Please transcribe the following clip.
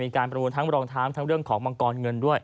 มีการประมูลทั้งวัลองค์ท้ำและเรื่องของบังกรเงินด้วย